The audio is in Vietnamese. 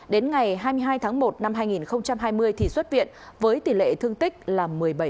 đến ngày hai mươi hai tháng một năm hai nghìn hai mươi thì xuất viện với tỷ lệ thương tích là một mươi bảy